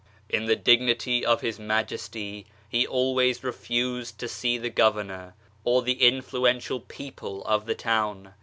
In the Dignity of His Majesty, He always refused to see the Governor, or the influential people of the town.